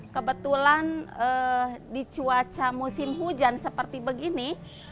kebetulan di cuaca musim hujan seperti begini